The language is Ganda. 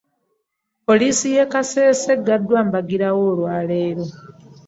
Poliisi y'e Kasese eggaddwa mbagirawo olwa leero.